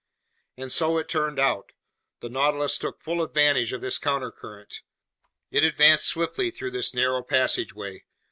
And so it turned out. The Nautilus took full advantage of this countercurrent. It advanced swiftly through this narrow passageway.